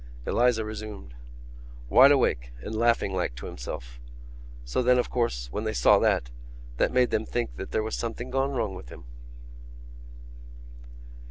Eliza resumed: "Wide awake and laughing like to himself.... So then, of course, when they saw that, that made them think that there was something gone wrong with him...."